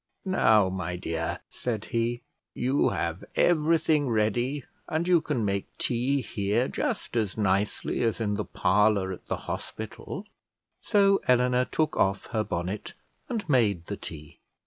"Now, my dear," said he, "you have everything ready, and you can make tea here just as nicely as in the parlour at the hospital." So Eleanor took off her bonnet and made the tea.